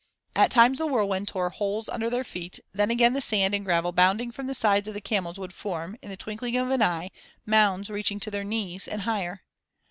At times the whirlwind tore holes under their feet, then again the sand and gravel bounding from the sides of the camels would form, in the twinkling of an eye, mounds reaching to their knees and higher.